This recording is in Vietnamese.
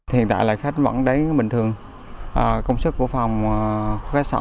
hiện tại là khách vẫn đến bình thường công sức của phòng khách sở